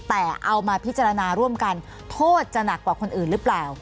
แต่เอามาพิจารณาร่วมกันโทษจะหนักกว่าคนอื่นหรือเปล่า